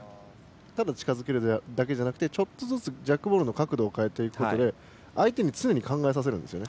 ただ近づけるだけじゃなくてちょっとだけジャックボールの角度を変えていくことで相手に常に考えさせるんですね。